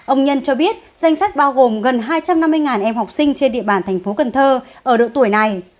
ông nhân cho biết danh sách bao gồm gần hai trăm năm mươi em học sinh trên địa bàn tp cn ở độ tuổi này